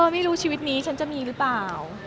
ไม่รู้ชีวิตนี้ฉันจะมีหรือเปล่า